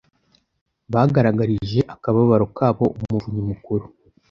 bagaragarije akababaro kabo Umuvunyi Mukuru